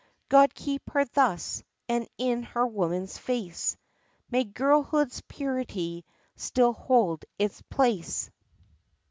— God keep her thus, and in her woman's face May girlhood's purity still hold its place